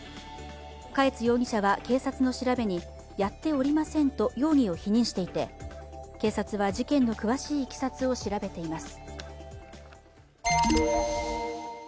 嘉悦容疑者は警察の調べにやっておりませんと容疑を否認していて警察は事件の詳しいいきさつを調べています。